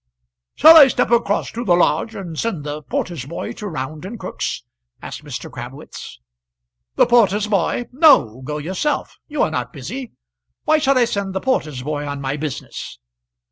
"Shall I step across to the lodge and send the porter's boy to Round and Crook's?" asked Mr. Crabwitz. "The porter's boy! no; go yourself; you are not busy. Why should I send the porter's boy on my business?"